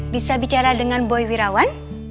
bisa bicara dengan boy wirawan